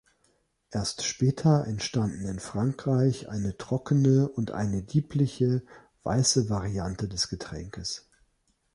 Erst später entstanden in Frankreich eine trockene und eine liebliche, weiße Variante des Getränkes.